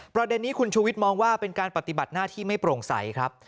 ประเด็นนี้คุณชูวิทยมองว่าเป็นการปฏิบัติหน้าที่ไม่โปร่งใสครับ